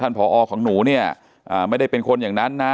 ผอของหนูเนี่ยไม่ได้เป็นคนอย่างนั้นนะ